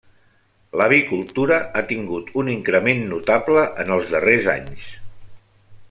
L'avicultura ha tingut un increment notable en els darrers anys.